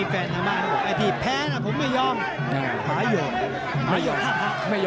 ต่อมาตีไปด้วยครับ